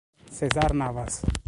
César Navas